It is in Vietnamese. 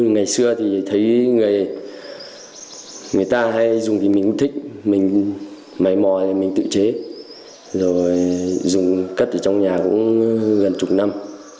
người ta hay dùng vì mình thích mình máy mò thì mình tự chế rồi dùng cất ở trong nhà cũng gần một mươi năm